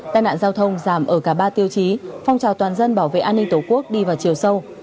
tai nạn giao thông giảm ở cả ba tiêu chí phong trào toàn dân bảo vệ an ninh tổ quốc đi vào chiều sâu